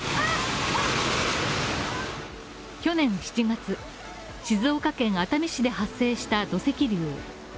去年７月、静岡県熱海市で発生した土石流。